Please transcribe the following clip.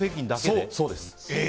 そうです。